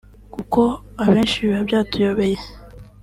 kuko abenshi biba byatuyobeye”